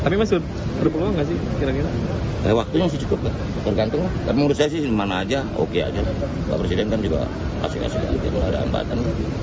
bapak presiden kan juga kasih kasih kalau ada ambatan